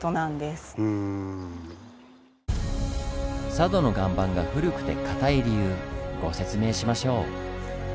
佐渡の岩盤が古くてかたい理由ご説明しましょう！